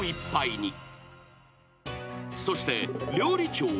［そして料理長岡村］